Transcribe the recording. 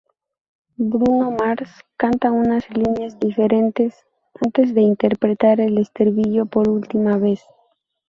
Bruno Mars canta unas líneas diferentes antes de interpretar el estribillo por última vez.